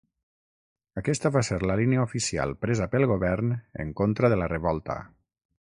Aquesta va ser la línia oficial presa pel govern en contra de la revolta.